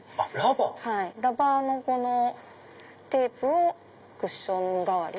ラバーのこのテープをクッション代わりに。